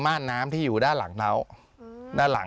มาทน้ำที่อยู่ด้านหลังถาว